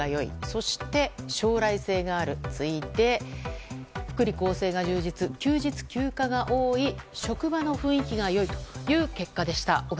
そして、将来性がある続いて、福利厚生が充実休日・休暇が多い職場の雰囲気が良いという結果でした。